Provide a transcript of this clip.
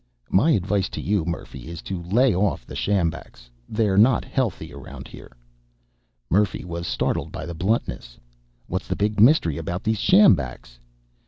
"My advice to you, Murphy, is lay off the sjambaks. They're not healthy around here." Murphy was startled by the bluntness. "What's the big mystery about these sjambaks?"